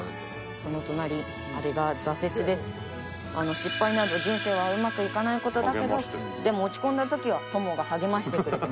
失敗など人生はうまくいかない事だけどでも落ち込んだ時は友が励ましてくれてます。